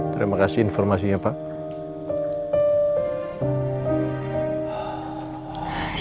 terima kasih informasinya pak